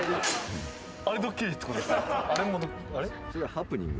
ハプニング。